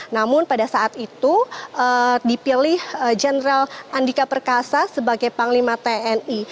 namun pada saat itu dipilih jenderal andika perkasa sebagai panglima tni